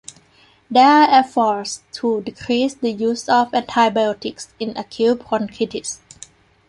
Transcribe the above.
There are efforts to decrease the use of antibiotics in acute bronchitis.